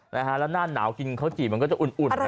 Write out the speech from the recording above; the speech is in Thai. แล้วหน้าหนาวกินข้าวจี่มันก็จะอุ่น